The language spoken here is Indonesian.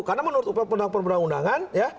karena menurut pendang pendang undangan